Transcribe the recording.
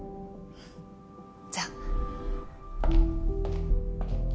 じゃあ。